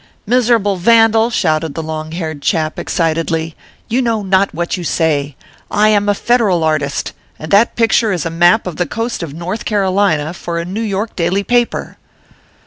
" Miserable vandal !" shouted the long haired chap, excitedly, "you know not what you say. I am a Federal artist ; and that picture is a map of the coast of North Carolina, for a New York daily paper."